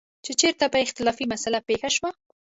چې چېرته به اختلافي مسله پېښه شوه.